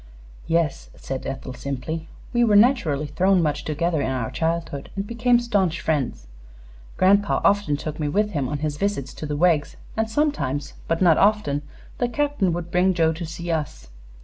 "Yes," said Ethel, simply; "we were naturally thrown much together in our childhood, and became staunch friends. Grandpa often took me with him on his visits to the Weggs, and sometimes, but not often, the Captain would bring Joe to see us.